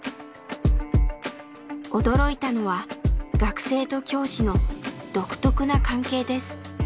驚いたのは学生と教師の独特な関係です。